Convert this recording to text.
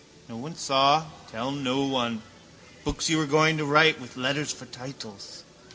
No one saw: tell no one. Books you were going to write with letters for titles.